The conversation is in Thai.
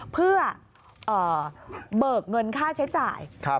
เพื่อเบิกเงินค่าใช้จ่าย